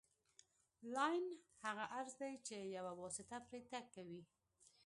لاین هغه عرض دی چې یوه واسطه پرې تګ کوي